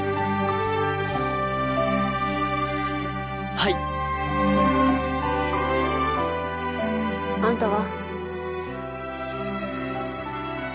はいあんたは？